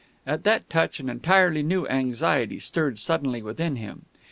At that touch an entirely new anxiety stirred suddenly within him.